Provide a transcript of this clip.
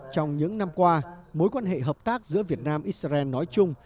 trong những năm qua mối quan hệ hợp tác giữa việt nam israel nói chung